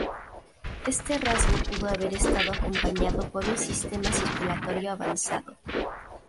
Este rasgo pudo haber estado acompañado por un sistema circulatorio avanzado.